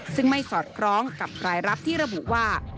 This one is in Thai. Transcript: ซึ่งไม่สอดคล้องกับรายรับที่ระบุว่า